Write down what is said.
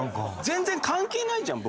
全然関係ないじゃん